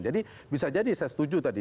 jadi bisa jadi saya setuju tadi